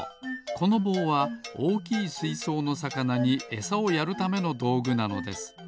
このぼうはおおきいすいそうのさかなにエサをやるためのどうぐなのです。